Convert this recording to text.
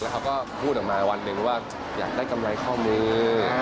เขาก็พูดออกมาวันหนึ่งว่าอยากได้กำไรข้อมือ